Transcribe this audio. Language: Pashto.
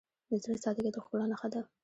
د زړه سادگی د ښکلا نښه ده.